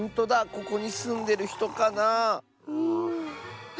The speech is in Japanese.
ここにすんでるひとかなあ？